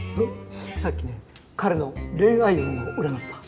さっきね彼の恋愛運を占った。